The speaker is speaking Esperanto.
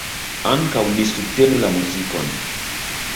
Ankaŭ ni subtenu la muzikon.